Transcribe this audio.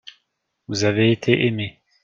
Vous avez été aimés.